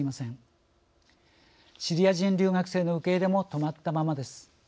シリア人留学生の受け入れも止まったままです。